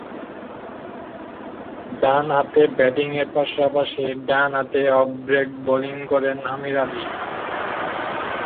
ডানহাতে ব্যাটিংয়ের পাশাপাশি ডানহাতে অফ ব্রেক বোলিং করেন আমির আলী।